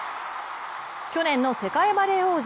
去年の世界バレー王者